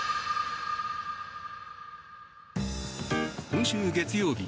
今週月曜日